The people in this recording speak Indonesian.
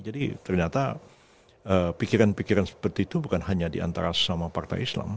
jadi ternyata pikiran pikiran seperti itu bukan hanya di antara sama partai islam